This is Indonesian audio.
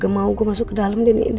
gagal mau gue masuk ke dalam deh ini